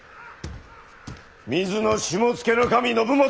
水野下野守信元！